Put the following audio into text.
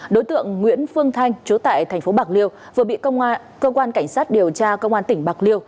đối tượng nguyễn phương thanh chú tại tp bạc liêu vừa bị cơ quan cảnh sát điều tra công an tỉnh bạc liêu